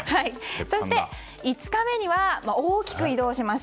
そして、５日目には大きく移動します。